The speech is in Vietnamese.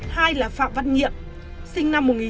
hai là phạm văn nhiệm sinh năm một nghìn chín trăm bảy mươi sáu